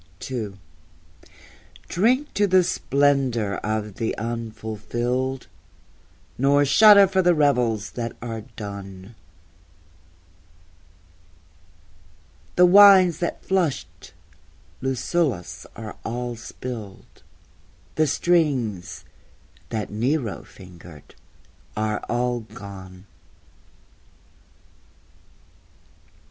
II Drink to the splendor of the unfulfilled, Nor shudder for the revels that are done: The wines that flushed Lucullus are all spilled, The strings that Nero fingered are all gone.